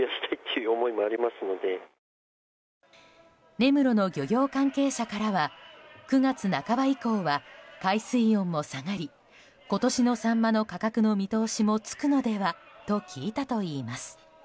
根室の漁業関係者からは９月半ば以降は、海水温も下がり今年のサンマの価格の見通しもつくのではと聞いたといいます。